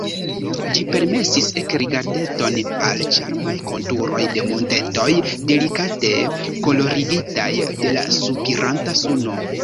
Ĝi permesis ekrigardeton al ĉarmaj konturoj de montetoj, delikate kolorigitaj de la subiranta suno.